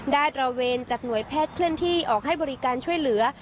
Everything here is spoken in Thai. ตระเวนจากหน่วยแพทย์เคลื่อนที่ออกให้บริการช่วยเหลือ